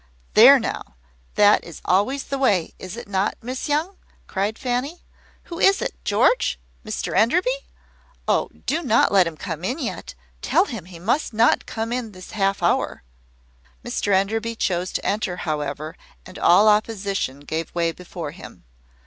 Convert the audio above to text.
"There now! That is always the way, is not it, Miss Young?" cried Fanny. "Who is it, George? Mr Enderby? Oh, do not let him come in yet! Tell him he must not come this half hour." Mr Enderby chose to enter, however, and all opposition gave way before him.